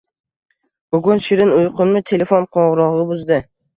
Bugun shirin uyqumni telefon qo`ng`irog`i buzdi